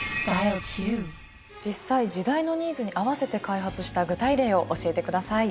実際時代のニーズに合わせて開発した具体例を教えてください。